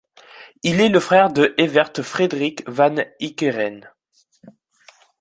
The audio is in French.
Il est le frère de Evert Frederik van Heeckeren.